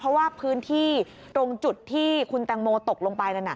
เพราะว่าพื้นที่ตรงจุดที่คุณแตงโมตกลงไปนั่น